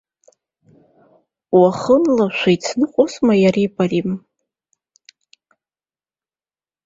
Уахынла шәеицныҟәозма иареи бареи?